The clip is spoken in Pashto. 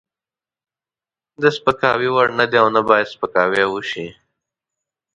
د سپکاوي وړ نه دی او نه باید سپکاوی وشي.